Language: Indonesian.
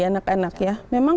anak anak ya memang